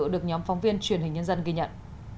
được nhóm phóng viên truyền hình nhân dân ghi nhận